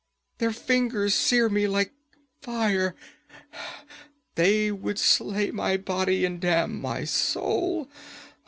Their fingers sear me like fire! They would slay my body and damn my soul!